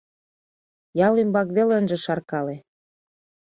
Ял ӱмбак веле ынже шаркале.